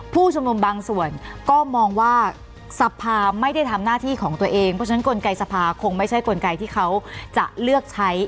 ผู้ชุมนุมบางส่วนก็มองว่าสภาไม่ได้ทำหน้าที่ของตัวเองเพราะฉะนั้นกลไกสภาคงไม่ใช่กลไกที่เขาจะเลือกใช้